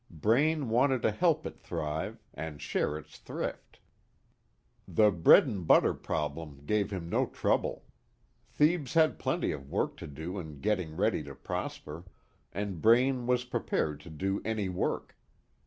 Braine wanted to help it thrive, and share its thrift. The bread and butter problem gave him no trouble. Thebes had plenty of work to do in getting ready to prosper, and Braine was prepared to do any work.